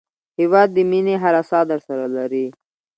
هېواد د مینې هره ساه درسره لري.